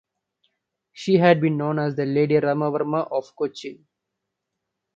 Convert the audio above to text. She had been known as Lady Rama Varma of Cochin.